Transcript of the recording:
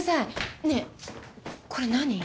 ねえこれ何？